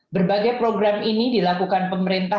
berbagai program ini dilakukan pemerintah